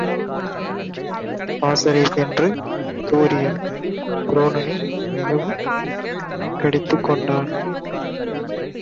பாசறை சென்று துரியன் துரோணனை மிகவுப் கடிந்துகொண்டான்.